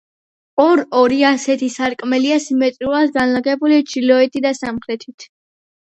ორ-ორი ასეთი სარკმელია სიმეტრიულად განლაგებული ჩრდილოეთით და სამხრეთით.